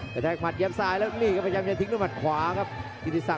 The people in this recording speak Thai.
แต่แทงหมัดเย็บซ้ายแล้วนี่ก็ประจำจะทิ้งต้นหมัดขวาครับกินที่สัก